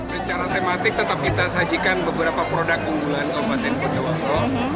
secara tematik tetap kita sajikan beberapa produk unggulan kabupaten bondowoso